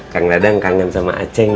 kang dadang kangen sama aceng ya